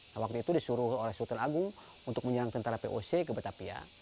nah waktu itu disuruh oleh sultan agung untuk menyerang tentara poc ke betapia